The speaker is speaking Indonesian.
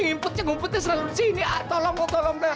ngumpetnya selalu disini tolong tolong